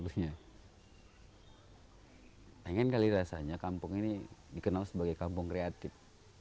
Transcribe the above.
pengen kali rasanya kampung ini dikenal sebagai kampung kreatif